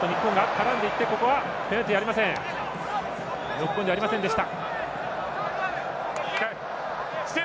ノックオンではありませんでした。